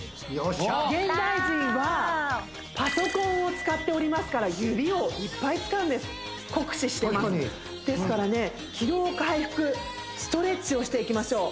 現代人はパソコンを使っておりますから指をいっぱい使うんです酷使してますですからね疲労回復ストレッチをしていきましょう